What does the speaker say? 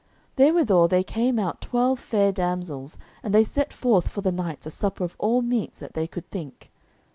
Therewithal there came out twelve fair damsels, and they set forth for the knights a supper of all meats that they could think.